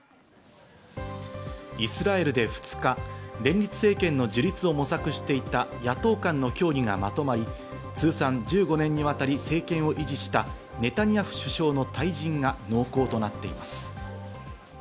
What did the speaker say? イスラエルで２日、連立政権の樹立を模索していた野党間の協議がまとまり、通算１５年にわたり政権を維持したネタニヤフ首相の退陣が濃厚となっています。